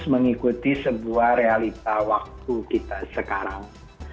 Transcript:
mengikuti sebuah realita waktu kita sekarang